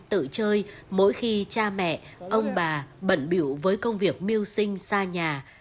tự chơi mỗi khi cha mẹ ông bà bận biểu với công việc mưu sinh xa nhà